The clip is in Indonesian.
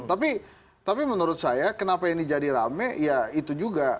tapi menurut saya kenapa ini jadi rame ya itu juga